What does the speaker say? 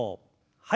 はい。